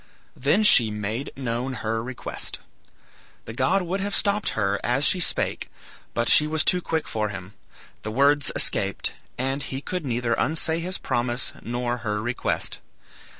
Then she made known her request. The god would have stopped her as she spake, but she was too quick for him. The words escaped, and he could neither unsay his promise nor her request.